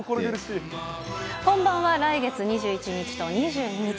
本番は来月２１日と２２日。